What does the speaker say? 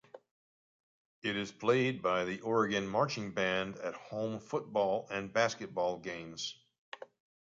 It is played by the Oregon Marching Band at home football and basketball games.